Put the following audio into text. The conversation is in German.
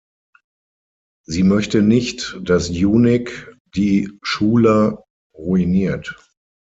Sie möchte nicht, dass Unique die Schuler ruiniert.